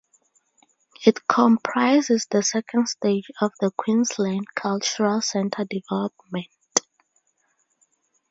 It comprises the second stage of the Queensland Cultural Centre development.